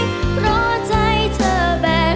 ถูกเขาทำร้ายเพราะใจเธอแบกรับมันเอง